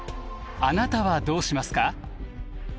あなたはどうしますか？